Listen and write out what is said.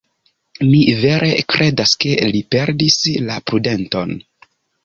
Mi vere kredas, ke li perdis la prudenton.